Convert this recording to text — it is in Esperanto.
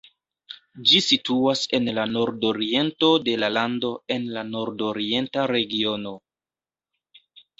Ĝi situas en la nordoriento de la lando en la Nordorienta Regiono.